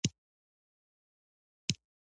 د ښکلا لاره او د ژوند د حيا لاره.